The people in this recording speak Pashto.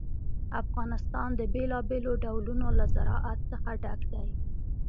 افغانستان د بېلابېلو ډولونو له زراعت څخه ډک دی.